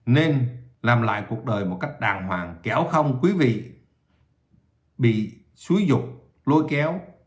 nên làm lại cuộc đời một cách đàng hoàng kéo không quý vị bị xúi dục lôi kéo